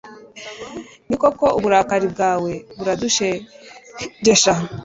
Ni koko uburakari bwawe buradushegesha